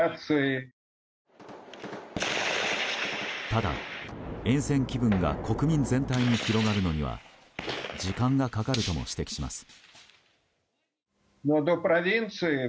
ただ、厭戦気分が国民全体に広がるのには時間がかかるとも指摘します。